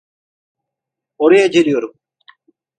Oraya geliyorum.